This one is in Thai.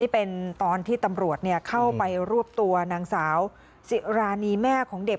เป็นตอนที่ตำรวจเข้าไปรวบตัวนางสาวสิรานีแม่ของเด็ก